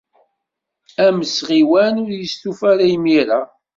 Amesɣiwan ur yestufa ara imir-a.